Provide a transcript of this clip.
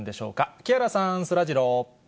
木原さん、そらジロー。